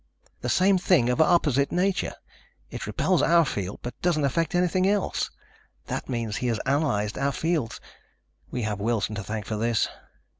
The same thing of opposite nature. It repels our field, but doesn't affect anything else. That means he has analyzed our fields. We have Wilson to thank for this."